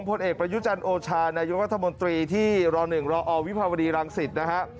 ผลเอกประยุจันทร์โอชานายกรัฐมนตรีที่ร๑รอวิภาวดีรังสิตนะฮะ